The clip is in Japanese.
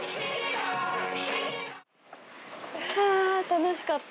楽しかった。